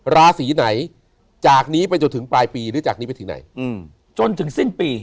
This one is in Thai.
ราศีไหนจากนี้ไปจนถึงปลายปีหรือจนถึงซิ่งปี